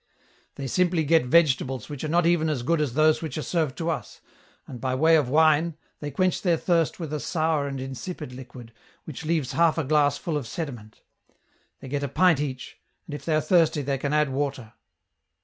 " They simply get vegetables which are not even as good as those which are served to us, and. bv way of wine, they quench their thirst with a sour and insipid liquid, which leaves half a glass full of sediment. They get a pint each, and if they are thirsty they can add water."